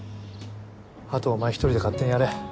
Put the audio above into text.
あとはお前一人で勝手にやれ。